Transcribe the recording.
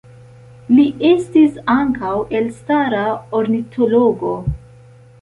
Li estis ankaŭ elstara ornitologo.